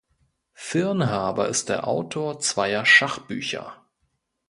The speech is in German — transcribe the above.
Firnhaber ist der Autor zweier Schachbücher.